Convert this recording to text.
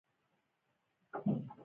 بریدمنه، تاسې به د هغه په اړه څه کوئ؟